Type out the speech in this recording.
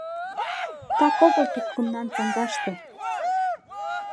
Так огыл тукымнан саҥгаште